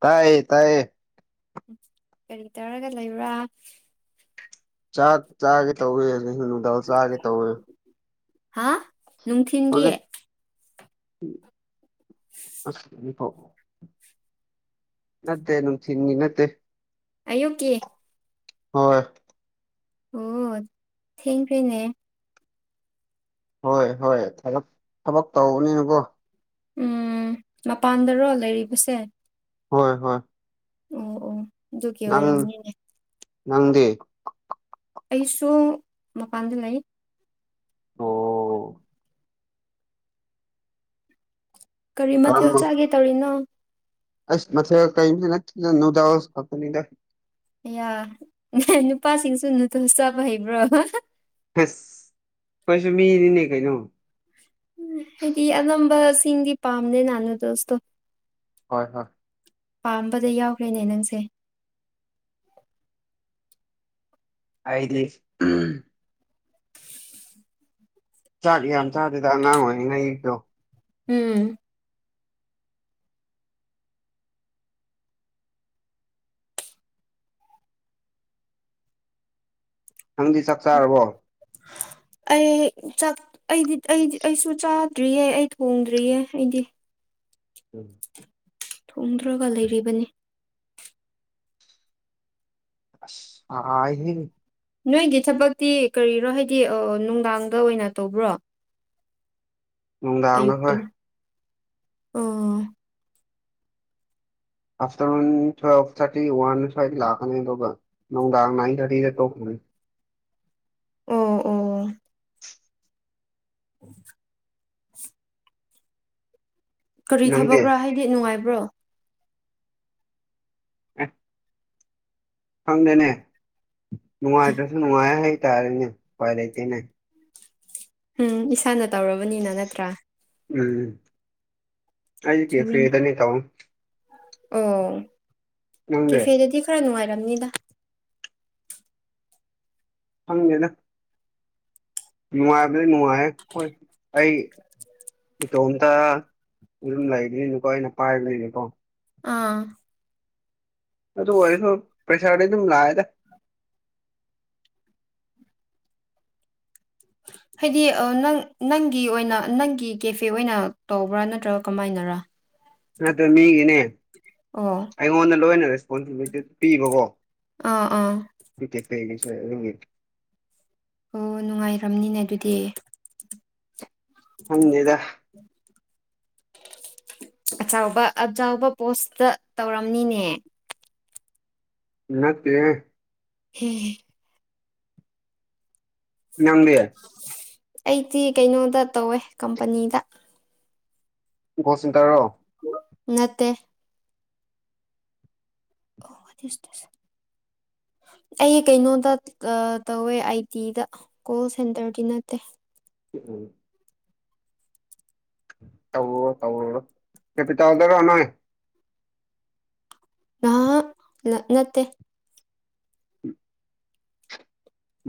ꯇꯥꯏꯌꯦ ꯇꯥꯏꯌꯦ ꯀꯔꯤ ꯇꯧꯔꯒ ꯂꯩꯕ꯭ꯔꯥ ꯆꯥꯛ ꯆꯥꯒꯦ ꯇꯧꯋꯦ ꯍꯧꯖꯤꯛꯅ ꯅꯨꯗꯜ ꯆꯥꯒꯦ ꯇꯧꯋꯦ ꯍꯥ ꯅꯨꯡꯊꯤꯟꯒꯤ ꯄꯥꯎ [inaudible] ꯅꯠꯇꯦ ꯅꯨꯡꯊꯤꯟꯒꯤ ꯅꯠꯇꯦ ꯑꯌꯨꯛꯀꯤ ꯍꯣꯏ ꯑꯣ ꯊꯦꯡ꯭ꯈꯔ‌ꯦꯅ‌ꯦ ꯍꯣꯏ ꯍꯣꯏ ꯊꯕꯛ ꯊꯕꯛ ꯇꯧꯕꯅꯤꯅꯀꯣ ꯎꯝ ꯃꯄꯥꯟꯗꯔꯣ ꯂꯩꯔꯤꯕꯁꯦ ꯍꯣꯏ ꯍꯣꯏ ꯑꯣ ꯑꯣ ꯑꯗꯨꯒꯤ ꯅꯪ ꯑꯣꯏꯔꯝꯅꯤꯅꯦ ꯅꯪꯗꯤ ꯑꯩꯁꯨ ꯃꯄꯥꯟꯗ ꯂꯩ ꯑꯣ ꯀꯔꯤ ꯃꯊꯦꯜ ꯀꯔꯝꯕ ꯆꯥꯒꯦ ꯇꯧꯔꯤꯅꯣ ꯑꯁ ꯃꯊ‌ꯦꯜ ꯀꯔꯝꯇ ꯅꯠꯇꯦꯗ ꯅꯨꯗꯜ ꯈꯛꯇꯅꯤꯗ ꯑꯌꯥ ꯅꯨꯄꯥꯁꯤꯡꯁꯨ ꯅꯨꯗꯜ ꯆꯥꯕ ꯍꯩꯕ꯭ꯔꯣ ꯍꯁ ꯑꯩꯈꫭꯏꯁꯨ ꯃꯤꯅꯤꯅꯦ ꯀꯩꯏꯅꫭ ꯎꯝ ꯍꯥꯏꯗꯤ ꯑꯅꯝꯕꯁꯤꯡꯗꯤ ꯄꯥꯝꯗ‌ꯦꯅ ꯅꯨꯗꯜꯁꯇꯣ ꯍꯣꯏ ꯍꯣꯏ ꯄꯥꯝꯕꯗ ꯌꯥꯎꯈ꯭ꯔꯦꯅꯦ ꯅꯪꯁꯦ ꯑꯩꯗꯤ ꯎꯝ ꯆꯥꯛ ꯌꯥꯝ ꯆꯥꯗꯦꯗ ꯑꯉꯥꯡ ꯑꯣꯏꯅꯤꯅ [unintelligible] ꯏꯛꯇꯣ ꯎꯝ ꯅꯪꯗꯤ ꯆꯥꯛ ꯆꯔꯕꯣ [unintelligible] ꯑꯩ ꯆꯥꯛ ꯑꯩꯗꯤ ꯑꯩꯗꯤ ꯑꯩꯁꯨ ꯆꯥꯗ꯭ꯔꯤꯌꯦ ꯑꯩ ꯊꯣꯡꯗ꯭ꯔꯤꯌꯦ ꯑꯩꯗꯤ [unintelligible] [inaudible] ꯊꯣꯡꯗ꯭ꯔꯒ ꯂꯩꯔꯤꯕꯅꯤ ꯑꯁ‌‌ ꯁꯥꯏꯍ‌ꯦ ꯅꯣꯏꯒꯤ ꯊꯕꯛꯇꯤ ꯀꯔꯤꯔꯣ ꯍꯥꯏꯗꯤ ꯑꯥ ꯅꯨꯡꯗꯥꯡꯗ ꯑꯣꯏꯅ ꯇꯧꯕ꯭ꯔꯣ ꯅꯨꯡꯗꯥꯡꯗ ꯑꯌꯨꯛꯇ ꯍꯣꯏ ꯑꯣ ꯑꯥꯐꯇꯔꯅꯨꯟ ꯇꯨꯋꯦꯜꯐ ꯊꯥꯔꯇꯤ ꯋꯥꯟ ꯁ꯭ꯋꯥꯏꯗ ꯂꯥꯛꯀꯅꯤ ꯑꯗꯨꯒ ꯅꯨꯡꯗꯥꯡ ꯅꯥꯏꯟ ꯊꯥꯔꯇꯤꯗ ꯇꯣꯛꯀꯅꯤ ꯑꯣ ꯑꯣ ꯀꯔꯤ ꯅꯪꯗꯤ ꯊꯕꯛꯔ ꯑꯦ ꯍꯥꯏꯗꯤ ꯅꯨꯡꯉꯥꯏꯕ꯭ꯔꯣ ꯑ [unintelligible] ꯈꯪꯗꯦꯅꯦ ꯅꯨꯡꯉꯥꯏꯇ꯭ꯔꯁꯨ ꯅꯨꯡꯉꯥꯏ ꯍꯥꯏꯇꯥꯔꯦꯅꯦ ꯎꯄꯥꯏ ꯂꯩꯇꯦꯅꯦ ꯎꯝ ꯏꯁꯥꯅ ꯇꯧꯔꯕꯅꯤꯅ ꯅꯠꯇ꯭ꯔꯥ ꯎꯝ ꯑꯩ ꯀꯦ ꯆꯨꯝꯃꯤꯅꯦ ꯐꯦꯗꯅꯤ ꯇꯥꯎ [unintelligible] ꯑꯣ ꯅꯪꯗꯤ ꯀꯦꯐꯦꯗꯗꯤ ꯈꯔ ꯅꯨꯡꯉꯥꯏꯔꯝꯅꯤꯗ ꯈꯪꯗ‌ꯦꯗ ꯅꯨꯡꯉꯥꯏꯕꯗꯤ ꯅꯨꯡꯉꯥꯏ ꯑꯩ ꯏꯇꯣꯝꯇ ꯑꯗꯨꯝ ꯂꯩꯕꯅꯤꯅꯀꯣ ꯑꯩꯅ ꯄꯥꯏꯔꯒ ꯂꯩꯕꯀꯣ ꯑꯥ ꯑꯗꯨ ꯑꯣꯏꯔꯁꯨ ꯄꯩꯁꯥꯗꯤ ꯑꯗꯨꯝ ꯂꯥꯛꯑꯦꯗ [unintelligible] ꯍꯥꯏꯗꯤ ꯅꯪ ꯅꯪꯒꯤ ꯑꯣꯏꯅ ꯅꯪꯒꯤ ꯀꯦꯐꯦ ꯑꯣꯏꯅ ꯇꯧꯕ꯭ꯔꯥ ꯅꯠꯇ꯭ꯔꯒ ꯀꯃꯥꯏꯅꯔꯥ [unintelligible] ꯅꯠꯇꯦ ꯃꯤꯒꯤꯅꯦ ꯑꯣ ꯑꯩꯉꯣꯟꯗ ꯂꯣꯏꯅ ꯔꯦꯁꯄꯣꯟꯁꯤꯕꯤꯂꯤꯇꯤ ꯄꯤꯕꯀꯣ ꯑꯥ ꯑꯥ ꯀ‌‌ꯦꯐ‌ꯦꯒꯤꯁ‌ꯦ ꯑꯗꯨꯒꯤꯅꯤ ꯑꯣ ꯅꯨꯡꯉꯥꯏꯔꯝꯅꯤꯅꯦ ꯑꯗꯨꯗꯤ ꯈꯪꯗꯦꯗ ꯑꯆꯥꯎꯕ ꯑꯆꯥꯎꯕ ꯄꯣꯁꯇ ꯇꯧꯔꯝꯅꯤꯅꯦ ꯅꯠꯇꯦ ꯍꯦ ꯅꯪꯗꯤ ꯑꯩꯗꯤ ꯀꯩꯅꯣꯗ ꯇꯧꯋꯦ ꯀꯝꯄꯅꯤꯗ ꯒꯣ ꯁꯦꯟꯇꯔꯔꯣ ꯅꯠꯇꯦ [inaudible] ꯑꯩ ꯀꯩꯅꯣꯗ ꯇꯧꯋꯦ ꯑꯥꯏ ꯇꯤꯗ ꯀꯣꯜ ꯁꯦꯟꯇꯔ ꯗꯤ ꯅꯠꯇꯦ ꯎꯝ ꯇꯧꯔꯨꯔꯣ ꯇꯧꯔꯨꯔꯣ ꯀꯦꯄꯤꯇꯦꯟꯗꯔ ꯅꯪ ꯅ ꯅꯠ ꯅꯠꯇꯦ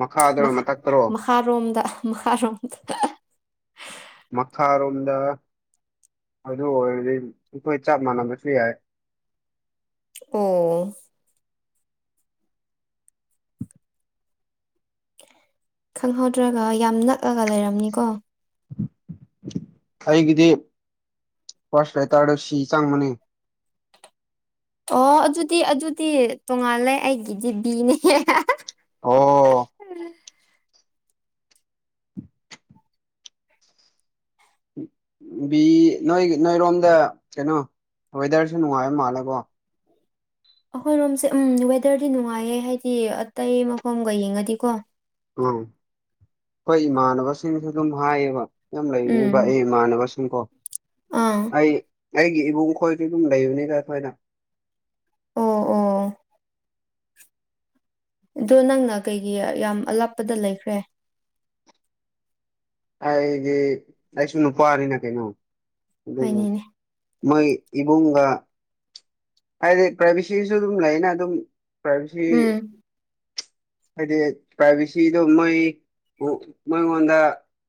ꯃꯈꯥꯗꯔꯣ ꯃꯈ ꯃꯊꯛꯇꯔꯣ ꯃꯈꯥꯔꯣꯝꯗ ꯃꯈꯥꯔꯣꯝꯗ ꯃꯈꯥꯔꯣꯝꯗ ꯑꯗꯨ ꯑꯣꯏꯔꯗꯤ ꯑꯩꯈꯣꯏ ꯆꯞ ꯃꯥꯟꯅꯕꯁꯨ ꯌꯥꯏ ꯑꯣ ꯈꯪꯍꯧꯗ꯭ꯔꯒ ꯌꯥꯝ ꯅꯛꯑꯒ ꯂꯩꯔꯝꯅꯤꯀꯣ ꯑꯩꯒꯤꯗꯤ ꯐꯥꯔꯁ ꯂꯦꯇꯔꯗ ꯁꯤ ꯆꯪꯕꯅꯤ ꯑꯣ ꯑꯗꯨꯗꯤ ꯑꯗꯨꯗꯤ ꯇꯣꯉꯥꯜꯂꯦ ꯑꯩꯒꯤꯗꯤꯗꯤꯕꯤꯅꯦ ꯑꯣ [inaudible] ꯕꯤ ꯅꯣꯏ ꯅꯣꯏꯔꯣꯝꯗ ꯀꯩꯅꯣ ꯋꯦꯗꯔꯁꯨ ꯅꯨꯡꯉꯥꯏꯕ ꯃꯥꯜꯂꯀꯣ ꯑꯩꯈꯣꯏꯔꯣꯝꯁꯦ ꯎꯝ ꯋꯦꯗꯔꯗꯤ ꯅꯨꯡꯉꯥꯏꯌꯦ ꯍꯥꯏꯗꯤ ꯑꯇꯩ ꯃꯐꯝꯒ ꯌꯦꯡꯉꯗꯤꯀꯣ ꯎꯝ ꯑꯈꯣꯏ ꯏꯃꯥꯟꯅꯕꯁꯤꯡꯅꯁꯨ ꯑꯗꯨꯝ ꯍꯥꯏꯌꯦꯕ ꯌꯨꯝ ꯂꯩꯅꯤꯡꯕ ꯎꯝ ꯑꯩ ꯏꯃꯥꯟꯅꯕꯁꯤꯡꯀꯣ ꯑꯥ ꯑꯩ ꯑꯩꯒꯤ ꯏꯕꯨꯡ ꯈꯣꯏꯗꯤ ꯑꯗꯨꯝ ꯂꯩꯕꯅꯤꯗ ꯑꯈꯣꯏꯅ ꯑꯣ ꯑꯣ ꯑꯗꯣ ꯅꯪꯅ ꯀꯩꯒꯤ ꯌꯥꯝ ꯑꯂꯥꯞꯄꯗ ꯂꯩꯈ꯭ꯔꯦ ꯑꯩꯗꯤ ꯑꯩꯁꯨ ꯅꯨꯄꯥꯅꯤꯅ ꯀꯩꯅꯣ ꯑꯗꯨꯕꯨ ꯍꯥꯏꯅꯤꯅꯦ ꯃꯣꯏ ꯏꯕꯨꯡꯒ ꯍꯥꯏꯗꯤ ꯄ꯭ꯔꯥꯏꯚꯦꯁꯤꯁꯨ ꯑꯗꯨꯝ ꯂꯩꯅ ꯑꯗꯨꯝ ꯄ꯭ꯔꯥꯏꯚꯦꯁꯤ [inaudible] ꯍꯥꯏꯗꯤ ꯄ꯭ꯔꯥꯏꯚꯦꯁꯤꯗꯣ ꯃꯣꯏꯕꯨ ꯃꯣꯢꯉꯣꯟꯗ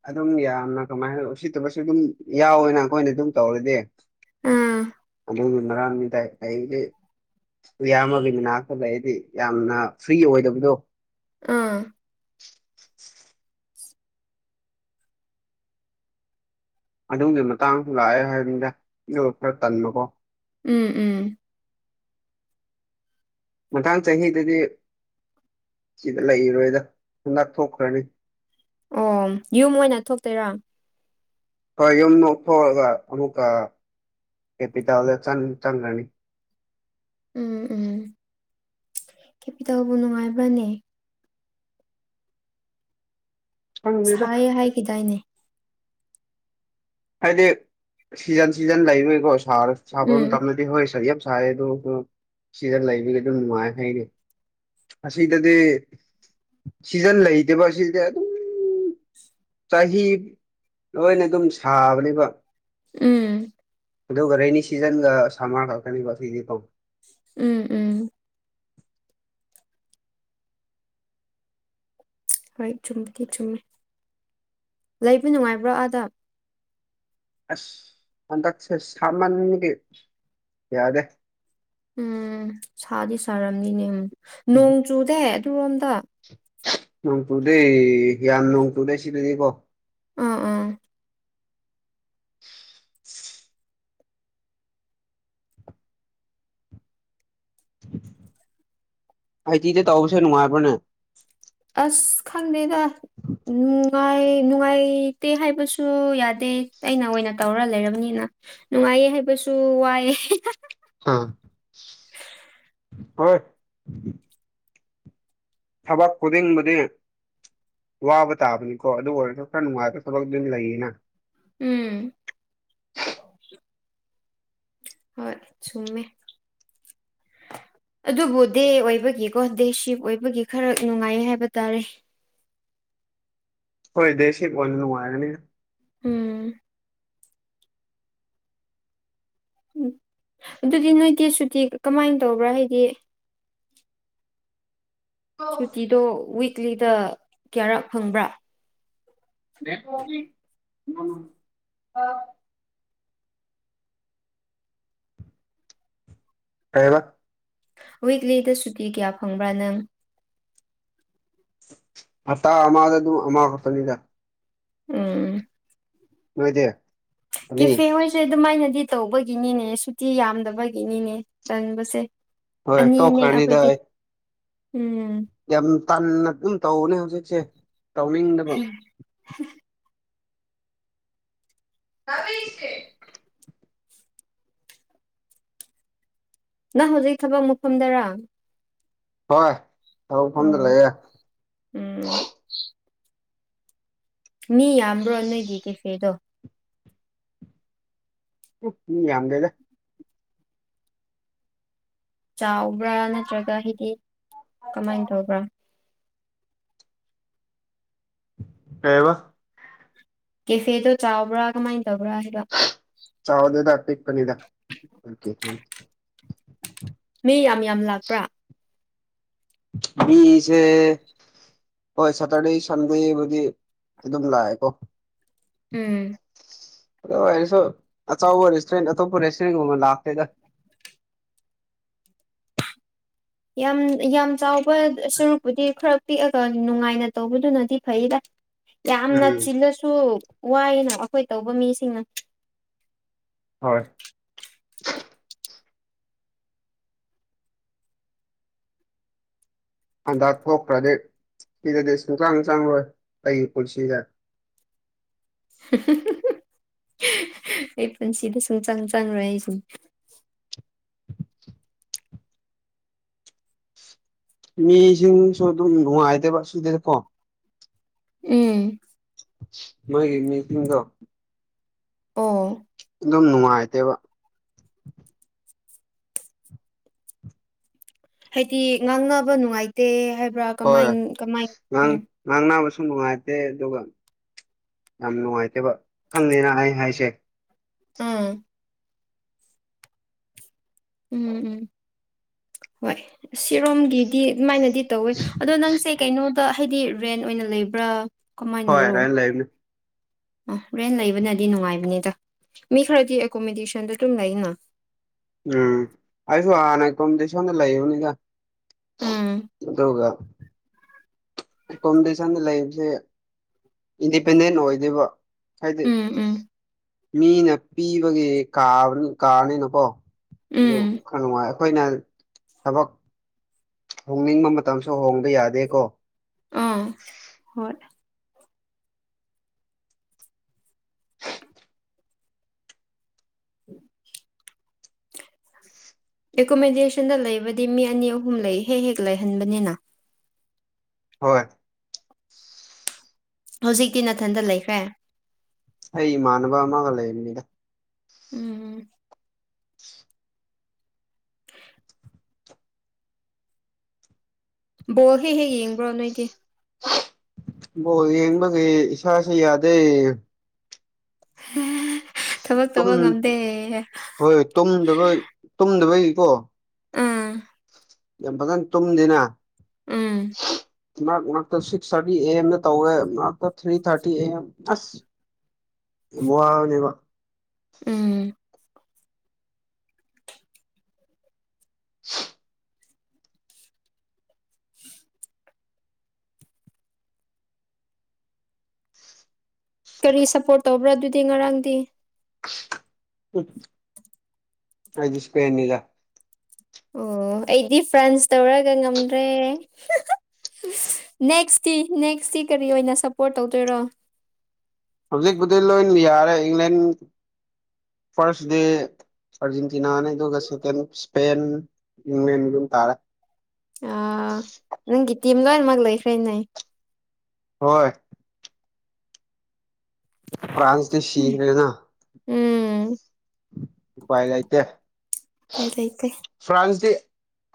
ꯑꯗꯨꯝ ꯌꯥꯝꯅ ꯀꯃꯥꯏꯅ ꯎꯁꯤꯠꯇꯕꯁꯨ ꯑꯗꯨꯝ ꯌꯥꯎꯋꯦꯅ ꯑꯩꯈꯣꯏꯅ ꯑꯗꯨꯝ ꯇꯧꯔꯗꯤ ꯑꯥ [unintelligible] ꯅꯔꯥꯟꯃꯤꯗꯥꯏ ꯑꯩꯗꯤ ꯏꯌꯥꯝꯕꯒꯤ ꯃꯅꯥꯛꯇ ꯂꯩꯔꯗꯤ ꯌꯥꯝꯅ ꯐ꯭ꯔꯤ ꯑꯣꯏꯗꯕꯗꯨ ꯑꯥ [inaudible] [inaudible] ꯑꯗꯨꯝꯒꯤ ꯃꯇꯥꯡ ꯂꯥꯛꯑꯦ ꯍꯥꯏꯕꯅꯤꯗ ꯑꯗꯨꯒ ꯈꯔ ꯇꯟꯕꯀꯣ ꯎꯝ ꯎꯝ ꯃꯊꯥꯡ ꯆꯍꯤꯗꯗꯤ ꯁꯤꯗ ꯂꯩꯔꯣꯏꯗ ꯍꯟꯗꯛ ꯊꯣꯛꯈ꯭ꯔꯅꯤ ꯑꯣ ꯌꯨꯝ ꯑꯣꯏꯅ ꯊꯣꯛꯇꯣꯏꯔꯥ ꯍꯣꯏ ꯌꯨꯝ ꯅꯣꯛꯊꯣꯛꯑꯒ ꯑꯃꯨꯛꯀ ꯀꯦꯄꯤꯇꯦꯜꯗ ꯆꯪꯈ꯭ꯔꯅꯤ ꯎꯝ ꯎꯝ ꯀꯦꯄꯤꯇꯦꯜꯕꯨ ꯅꯨꯡꯉꯥꯏꯕ꯭ꯔꯅꯦ ꯈꯪꯗꯦꯗ ꯁꯥꯏꯌꯦ ꯍꯥꯏꯈꯤꯗꯥꯏꯅꯦ ꯍꯥꯏꯗꯤ ꯁꯤꯖꯟ ꯁꯤꯖꯟ ꯂꯩꯕꯒꯤꯀꯣ ꯁꯥꯕ ꯎꯝ ꯃꯇꯝꯗꯗꯤ ꯍꯣꯏ ꯁ ꯌꯥꯝ ꯁꯥꯏ ꯑꯗꯨ ꯑꯣꯢꯔꯁꯨ ꯁꯤꯗ ꯂꯩꯕꯒꯤꯗꯨ ꯅꯨꯡꯉꯥꯏ ꯍꯥꯏ ꯑꯁꯤ ꯏꯗꯗꯤ ꯁꯤꯖꯟ ꯂꯩꯇꯦꯕ ꯑꯁꯤꯗꯤ ꯑꯗꯨ ꯆꯍꯤ ꯂꯣꯏꯅ ꯑꯗꯨꯝ ꯁꯥꯕꯅꯦꯕ ꯎꯝ ꯑꯗꯨꯒ ꯔꯦꯅꯤ ꯁꯤꯖꯟꯒ ꯁꯝꯃꯔ ꯈꯛꯛꯇꯅꯦꯕ ꯁꯤꯗꯤ ꯐꯧ ꯎꯝ ꯎꯝ ꯍꯣꯏ ꯆꯨꯝꯒꯤ ꯆꯨꯝꯃꯤ ꯂꯩꯕ ꯅꯨꯡꯉꯥꯏꯕ꯭ꯔꯣ ꯑꯥꯗ ꯑꯁ ꯍꯟꯗꯛꯁꯦ ꯁꯝꯃꯥꯟꯒꯤ ꯌꯥꯗꯦ ꯎꯝ ꯁꯥꯗꯤ ꯁꯥꯔꯝꯅꯤꯅꯦꯨ ꯅꯣꯡ ꯆꯨꯗꯦ ꯑꯗꯨꯔꯣꯝꯗ ꯅꯣꯡ ꯇꯨꯔꯗꯦ ꯍ ꯅꯣꯡ ꯇꯗꯦ ꯁꯤꯗꯗꯕꯣ ꯎꯝ ꯎꯝ ꯑꯇꯤꯗ ꯇꯧꯕꯁꯦ ꯅꯨꯡꯉꯥꯏꯕ꯭ꯔꯅꯦ ꯑꯁ ꯈꯪꯗꯦꯗ ꯎꯝ ꯅꯨꯡꯉꯥꯏ ꯅꯨꯡꯉꯥꯏꯇꯦ ꯍꯥꯏꯕꯁꯨ ꯌꯥꯗꯦ ꯑꯩꯅ ꯑꯣꯏꯅ ꯇꯧꯔ ꯂꯩꯔꯕꯅꯤꯅ ꯅꯨꯡꯉꯥꯏꯌꯦ ꯍꯥꯏꯕꯁꯨ ꯋꯥꯏꯑꯦ ꯑ ꯍꯣꯏ ꯊꯕꯛ ꯈꯨꯗꯤꯡꯕꯨꯗꯤ ꯋꯥꯕ ꯇꯥꯕꯅꯤꯀꯣ ꯑꯗꯨ ꯑꯣꯏꯔꯁꯨ ꯈꯔ ꯅꯨꯡꯉꯥꯏꯕ ꯊꯕꯛ ꯑꯗꯨꯝ ꯂꯩꯌꯦꯅ ꯎꯝ ꯍꯣꯏ ꯆꯨꯃꯦ ꯑꯗꯨꯕꯨ ꯗꯦ ꯑꯣꯏꯕꯒꯤꯀꯣ ꯗꯦ ꯁꯤꯞ ꯑꯣꯏꯕꯒꯤ ꯈꯔ ꯅꯨꯡꯉꯥꯏ ꯍꯥꯏꯕ ꯇꯥꯔꯦ ꯍꯣꯏ ꯗꯦ ꯁꯤ ꯑꯣꯏꯅ ꯅꯨꯡꯉꯥꯏꯔꯅꯤ ꯎꯝ ꯎꯝ ꯑꯗꯨꯗꯤ ꯅꯣꯏꯗꯤ ꯁꯨꯇꯤ ꯀꯃꯥꯏꯅ ꯇꯧꯕ꯭ꯔꯥ ꯍꯥꯏꯗꯤ ꯁꯨꯇꯤꯗꯣ ꯋꯤꯛꯂꯤꯗ ꯀꯌꯥꯔꯛ ꯐꯪꯕ꯭ꯔꯥ [unintelligible] ꯍꯥꯏꯕ ꯋꯤꯛꯂꯤꯗ ꯁꯨꯇꯤ ꯀꯌꯥ ꯐꯪꯕ꯭ꯔꯥ ꯅꯪ ꯍꯇꯥ ꯑꯃꯗ ꯑꯗꯨꯝ ꯑꯃ ꯈꯛꯇꯅꯤꯗ ꯎꯝ ꯃꯗꯦ ꯀꯦꯐꯦ ꯍꯣꯏꯁꯦ ꯑꯗꯨꯃꯥꯏꯅꯗꯤ ꯇꯧꯕꯒꯤꯅꯤꯅꯦ ꯁꯨꯇꯤ ꯌꯥꯝꯗꯕꯒꯤꯅꯤꯅꯦ ꯇꯟꯕꯁꯦ ꯍꯣꯏ ꯑꯅꯤꯅꯦ ꯇꯣꯛꯈ꯭ꯔꯅꯤꯗ ꯑꯩꯈꯣꯏꯗꯤ ꯑꯩ ꯎꯝ ꯌꯥꯝ ꯇꯟꯅ ꯑꯗꯨꯝ ꯇꯧꯅꯦ ꯍꯧꯖꯤꯛꯁꯦ ꯇꯧꯗ ꯍꯝ ꯀꯕꯤ ꯏꯁꯇꯦ ꯅꯪ ꯍꯧꯖꯤꯛ ꯊꯕꯛ ꯃꯨꯐꯝꯗꯔꯥ ꯍꯣꯏ ꯇꯐꯝꯗ ꯑꯣ ꯂꯩꯌꯦꯦ ꯎꯝ ꯃꯤ ꯌꯥꯝꯕ꯭ꯔꯣ ꯅꯣꯏꯒꯤꯦ ꯀꯦ ꯐꯦꯗꯣ ꯎ ꯌꯥꯝꯗꯦꯗ ꯆꯥꯎꯕ꯭ꯔꯥ ꯅꯠꯇ꯭ꯔꯒ ꯍꯥꯏꯗꯤ ꯀꯃꯥꯏꯅ ꯇꯧꯕ꯭ꯔꯥ ꯀꯩꯕ ꯀꯦꯐꯦꯗꯣ ꯆꯥꯎꯕ꯭ꯔꯥ ꯀꯃꯥꯏꯅ ꯇꯧꯕ꯭ꯔꯥ ꯍꯥꯏꯕ ꯆꯥꯎꯗꯗ ꯄꯤꯛꯄꯅꯤꯗ ꯃꯤ ꯌꯥꯝ ꯌꯥꯝ ꯂꯥꯛꯄ꯭ꯔꯥ ꯃꯤꯁꯦ ꯍꯣꯏ ꯁꯦꯇꯔꯗꯦ ꯁꯟꯗꯦꯕꯨꯗꯤ ꯑꯗꯨꯝ ꯂꯥꯛꯑꯦꯀꯣ ꯎꯝ ꯑꯗ ꯑꯩꯩꯅꯁꯨ ꯑꯆꯧꯕ ꯔꯦꯁꯇꯨꯔꯦꯟ ꯑꯇꯣꯞꯄ ꯔꯦꯁꯇꯨꯔꯦꯟꯒꯨꯝꯕ ꯂꯥꯛꯇꯦꯗ ꯌꯥꯝ ꯌꯥꯝ ꯆꯥꯎꯕ ꯁꯔꯨꯛꯄꯨꯗꯤ ꯈꯔ ꯄꯤꯛꯑꯒ ꯅꯨꯡꯉꯥꯏꯅ ꯇꯧꯕꯗꯨꯅꯗꯤ ꯐꯩꯗ ꯌꯥꯝꯅ ꯎꯝ ꯆꯤꯜꯂꯁꯨ ꯋꯥꯏꯌꯦꯅ ꯑꯩꯈꯣꯏ ꯇꯧꯕ ꯃꯤꯁꯤꯡꯅ ꯍꯣꯏ ꯍꯟꯗꯛ ꯊꯣꯛꯈ꯭ꯔꯗꯤ ꯁꯤꯗꯗꯤ ꯁꯨꯡꯆꯥꯡ ꯆꯪꯔꯣꯏ ꯑꯩꯒꯤ ꯄꯨꯟꯁꯤꯁꯦ ꯑꯩ ꯄꯨꯟꯁꯤꯗ ꯁꯨꯡꯆꯪ ꯆꯪꯉꯣꯏ ꯑꯩꯁꯨ ꯃꯤꯁꯤꯡꯁꯨ ꯑꯗꯨꯝ ꯅꯨꯡꯉꯥꯏꯇꯦꯕ ꯁꯨꯗꯦ ꯀꯣ ꯎꯝ ꯃꯣꯏꯒꯤ ꯃꯤꯁꯤꯡꯗꯣ ꯑꯣ ꯑꯗꯨꯝ ꯅꯨꯡꯉꯥꯏꯇꯦꯕ ꯍꯥꯏꯗꯤ ꯉꯥꯡꯅꯕ ꯅꯨꯡꯉꯥꯏꯇꯦ ꯍꯥꯏꯕ꯭ꯔꯥ ꯍꯣꯏ ꯀꯃꯥꯏ ꯀꯃꯥꯏ ꯎ ꯉꯥꯡ ꯉꯥꯡꯅꯕꯁꯨ ꯅꯨꯡꯉꯥꯏꯇꯦ ꯑꯗꯨꯒ ꯌꯥꯝ ꯅꯨꯡꯉꯥꯏꯇꯦꯕ ꯈꯪꯗꯦꯅ ꯑꯩ ꯍꯥꯏꯁꯦ ꯎꯝ ꯎꯝ ꯎꯝ ꯍꯣꯏ ꯁꯤꯔꯣꯝꯒꯤꯗꯤ ꯑꯗꯨꯃꯥꯏꯅꯗꯤ ꯇꯧꯋꯦ ꯑꯗꯣ ꯅꯪꯁꯦ ꯀꯩꯅꯣꯗ ꯍꯥꯏꯗꯤ ꯔꯦꯟ ꯑꯣꯏꯅ ꯂꯩꯕ꯭ꯔꯥ ꯍꯣꯏꯔꯥꯏꯅ ꯂ ꯂꯩ ꯑꯣ ꯔꯦꯟ ꯂꯩꯕꯅꯗꯤ ꯅꯨꯡꯉꯥꯏꯕꯅꯤꯗ ꯃꯤ ꯈꯔꯗꯤ ꯑꯦꯀꯣꯃꯤꯗꯦꯁꯟꯗꯣ ꯑꯗꯨꯝ ꯂꯩꯅ ꯎꯝ ꯑꯩꯁꯨ ꯍꯥꯟꯅ ꯀꯣꯝꯄꯤꯇꯤꯁꯟꯗ ꯂꯩꯕꯅꯤꯗ ꯎꯝ ꯑꯗꯨꯒ ꯑꯦꯀꯣꯃꯤꯇꯤꯁꯟꯗ ꯂꯩꯕꯁꯦ ꯏꯟꯗꯤꯄꯦꯟꯗꯦꯟ ꯑꯣꯏꯗꯣꯏꯕ ꯍꯥꯏꯗꯤ ꯎꯝ ꯎꯝ ꯃꯤꯅ ꯄꯤꯕꯒꯤ ꯀꯥ ꯀꯥꯔꯅꯤꯅꯀꯣ ꯎꯝ ꯑꯗꯨꯔ ꯅꯨꯡꯉꯥꯏ ꯑꯩꯈꯣꯏꯅ ꯊꯕꯛ ꯍꯣꯡꯅꯤꯡꯕ ꯃꯇꯝꯁꯨ ꯍꯣꯡꯕ ꯌꯥꯗꯦꯀꯣ ꯑꯥ ꯍꯣꯏ ꯎ ꯑꯦꯀꯣꯃꯤꯗꯦꯁꯟꯗ ꯂꯩꯕꯗꯤ ꯃꯤ ꯑꯅꯤ ꯑꯍꯨꯝ ꯂꯩ ꯍꯦꯛ ꯍꯦꯛ ꯂꯩꯍꯟꯕꯅꯤꯅ ꯍꯣꯏ ꯍꯧꯖꯤꯛꯇꯤ ꯅꯥꯊꯟꯇ ꯂꯩꯈ꯭ꯔꯦ ꯑꯩ ꯃꯥꯟꯅꯕ ꯑꯃꯒ ꯂꯩꯦꯃꯤꯗ ꯎꯝ ꯎꯝ ꯕꯣꯜ ꯍꯦꯛ ꯍꯦꯛ ꯌꯦꯡꯕ꯭ꯔꯣ ꯅꯣꯏꯒꯤ ꯕ ꯌꯦꯡꯕꯒꯤ ꯏꯁꯥꯥꯁ ꯌꯥꯗꯦ ꯊꯕꯛ ꯇꯧꯕ ꯉꯝꯗꯦ ꯍꯣꯏꯣꯏ ꯇꯨꯝꯗꯕ ꯇꯨꯝꯗꯕꯩꯀꯣ ꯎꯥ ꯌꯥꯝ ꯐꯖꯅ ꯇꯨꯝꯗꯅ ꯎꯝ ꯉꯇ ꯁꯤꯛꯁ ꯊꯥꯔꯇꯤ ꯑꯦ ꯑꯦꯝꯗ ꯇꯧꯋꯦ ꯉꯛꯇ ꯊ꯭ꯔꯤ ꯊꯥꯔꯇꯤ ꯑꯦ ꯑꯦꯝ ꯑꯁ ꯃꯅꯦꯕ ꯎꯝ ꯀꯔꯤ ꯁꯞꯄꯣꯔꯠ ꯇꯧꯕ꯭ꯔꯥ ꯑꯗꯨꯗꯤ ꯉꯔꯥꯡꯗꯤ ꯎ ꯑꯩꯗꯤ ꯏꯁꯄꯦꯅꯤꯅꯤꯗ ꯑꯣ ꯑꯩꯗꯤ ꯐ꯭ꯔꯥꯟꯁ ꯇꯧꯔꯒ ꯉꯝꯗ꯭ꯔꯦ ꯅꯦꯛꯁꯇꯤ ꯅꯦꯛꯁꯇꯤ ꯀꯔꯤ ꯑꯣꯏꯅ ꯁꯞꯄꯣꯔꯠ ꯇꯧꯗꯣꯏꯔꯣ ꯍꯧꯖꯤꯛꯄꯨꯗꯤ ꯂꯣꯏ ꯌꯥꯔꯦ ꯏꯪꯂꯦꯟ ꯐꯥꯔꯁ ꯗꯦ ꯑꯔꯖꯦꯟꯇꯤꯅꯥꯅꯦꯣꯒꯁ ꯀ ꯁꯄꯦꯦꯟ ꯏꯪ꯭ꯂ ꯏꯝ ꯇꯥꯔ ꯑ ꯅꯪꯒꯤ ꯇꯤꯝ ꯂꯣꯏꯅꯃꯛ ꯂꯩꯈ꯭ꯔꯦꯅꯦ ꯍꯣꯏ ꯄ꯭ꯔꯥꯟꯇ ꯁꯤꯤ꯭ꯔꯅ ꯎꯝ ꯎꯄꯥꯏ ꯂꯩꯇꯦ ꯎꯄꯥꯏ ꯂꯩꯇꯦ ꯐ꯭ꯔꯥꯟꯁꯇꯤ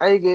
ꯑꯩꯒꯤ